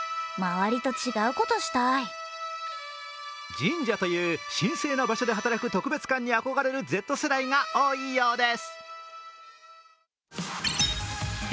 神社という神聖な場所で働く特別感に憧れるＺ世代が多いようです